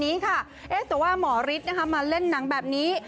นี้ค่ะแต่ว่าหมอฤทธิ์นะครับมาเล่นหนังแบบนี้